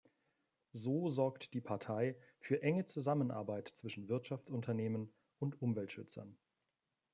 So sorgt die Partei für enge Zusammenarbeit zwischen Wirtschaftsunternehmen und Umweltschützern.